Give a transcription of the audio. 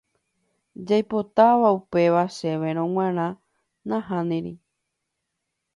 Jaipotápa upéva chéverõ g̃uarã nahániri.